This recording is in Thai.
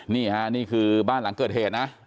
นี่ค่ะนี่คือบ้านหลังเกิดเหตุนะ